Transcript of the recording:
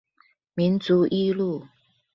民族一路